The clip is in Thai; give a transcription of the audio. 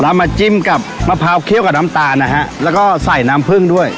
แล้วมาจิ้มกับมะพร้าวเคี่ยวกับน้ำตาลนะฮะแล้วก็ใส่น้ำผึ้งด้วย